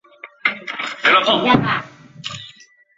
区域是行政区划的一种。